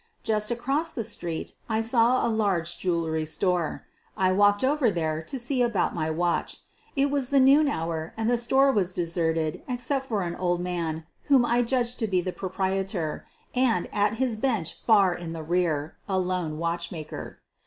Just across the street I saw a large jewelry store. I walked over there to see about my watch. It was the noon hour and the store was deserted except for an old man whom I judged to be the proprietor, and, at his bench far in the rear, a lone watchmaker.